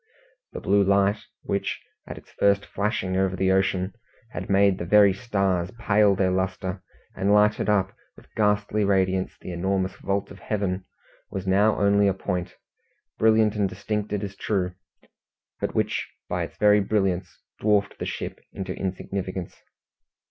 The blue light, which, at its first flashing over the ocean, had made the very stars pale their lustre, and lighted up with ghastly radiance the enormous vault of heaven, was now only a point, brilliant and distinct it is true, but which by its very brilliance dwarfed the ship into insignificance.